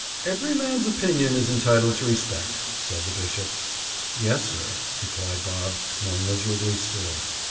"Every man's opinion is entitled to respect," said the bishop. "Yes, sir," replied Bob, more miserably still.